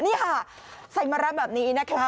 นี่ค่ะใส่มะระแบบนี้นะคะ